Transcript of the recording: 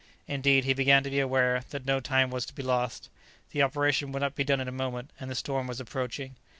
Indeed, he began to be aware that no time was to be lost. The operation would not be done in a moment, and the storm was approaching.